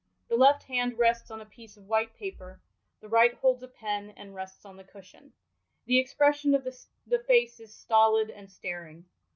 The left hand rests on a piece of white paper ; the right holds a pen and rests on the cushion. The expression of the face is stolid and staring.'